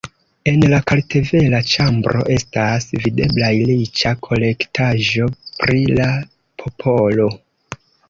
En la kartvela ĉambro estas videblaj riĉa kolektaĵo pri la popolo.